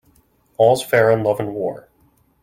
All's fair in love and war.